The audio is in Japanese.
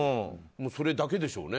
それだけでしょうね。